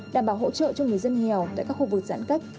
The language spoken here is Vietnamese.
đảm bảo hỗ trợ cho người dân nghèo tại các khu vực giãn cách